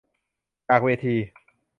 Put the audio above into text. จากเวที